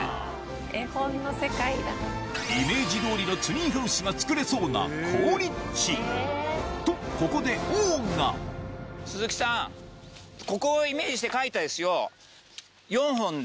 イメージ通りのツリーハウスが作れそうな好立地とここで王がここイメージして描いたんですよ。